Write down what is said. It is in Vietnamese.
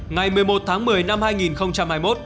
ngày một mươi một tháng một mươi năm hai nghìn hai mươi một